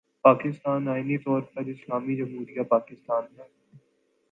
پاکستان آئینی طور پر 'اسلامی جمہوریہ پاکستان‘ ہے۔